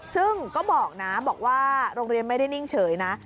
ซึ่งก็บอกนะบอกว่าโรงเรียนไม่ได้นิ่งเฉยนะ